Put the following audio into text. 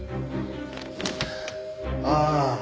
ああ。